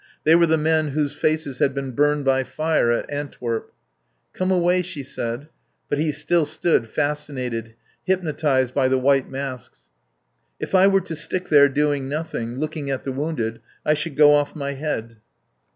They were the men whose faces had been burned by fire at Antwerp. "Come away," she said. But he still stood, fascinated, hypnotised by the white masks. "If I were to stick there, doing nothing, looking at the wounded, I should go off my head."